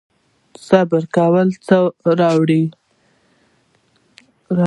صبر کول څه راوړي؟